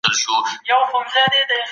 خپله وړتیا وښایاست.